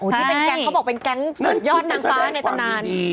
ที่เป็นแก๊งเขาบอกเป็นแก๊งสุดยอดนางฟ้าในตำนาน